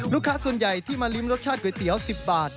ส่วนใหญ่ที่มาริมรสชาติก๋วยเตี๋ยว๑๐บาท